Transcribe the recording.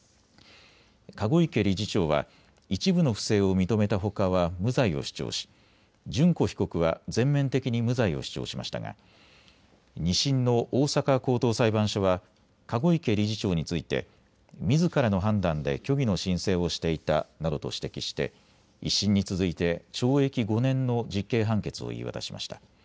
籠池理事長は一部の不正を認めたほかは無罪を主張し諄子被告は全面的に無罪を主張しましたが２審の大阪高等裁判所は籠池理事長についてみずからの判断で虚偽の申請をしていたなどと指摘して１審に続いて懲役５年の実刑判決を言い渡しました。